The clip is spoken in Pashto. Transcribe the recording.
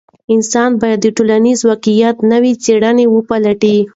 انسان باید د ټولنیز واقعیت نوې څېره وپلټي.